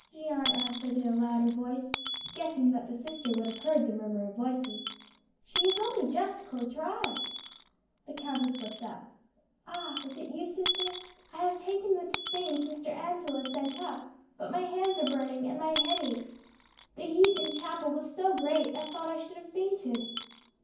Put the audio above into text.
Jeanne answered in a louder voice, guessing that the sister would have heard the murmur of voices. "She has only just closed her eyes." The countess looked up. "Ah! is it you, sister? I have taken the tisane Sister Angela sent up, but my hands are burning and my head aches. The heat in chapel was so great I thought I should have fainted."